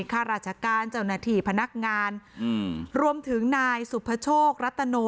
ข้าราชการเจ้าหน้าที่พนักงานรวมถึงนายสุภโชครัตโน